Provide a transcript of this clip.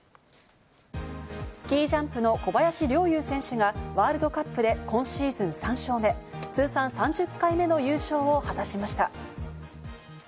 スキージャンプの小林陵侑選手がワールドカップで今シーズン３勝目、通算３０回目の優勝を果たしました。